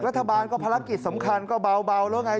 รัฐบาลก็ภารกิจสำคัญก็เบาแล้วไง